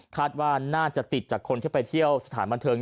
คาดว่าน่าจะติดจากคนที่ไปเที่ยวสถานบันเทิง